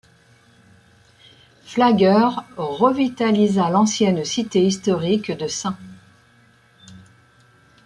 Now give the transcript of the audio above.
Flagler revitalisa l'ancienne cité historique de St.